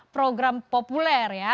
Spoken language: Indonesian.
program populer ya